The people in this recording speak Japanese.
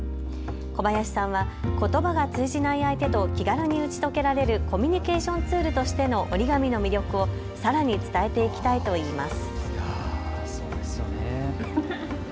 小林さんはことばが通じない相手と気軽に打ち解けられるコミュニケーションツールとしての折り紙の魅力をさらに伝えていきたいと言います。